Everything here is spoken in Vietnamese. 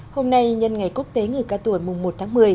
hôm nay nhân ngày quốc tế người cao tuổi mùng một tháng một mươi